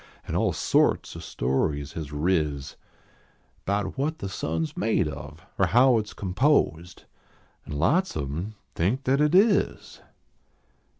An all sorts of stories has riz .Bout what the sun s made of or how it s composed, An lots of em think that it is.